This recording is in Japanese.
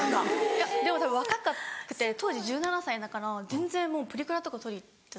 いやでもたぶん若くて当時１７歳だから全然もうプリクラとか撮り行ってた。